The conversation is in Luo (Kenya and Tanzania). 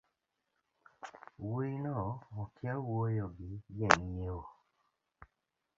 Wuoino okia wuoyo gi jang’iewo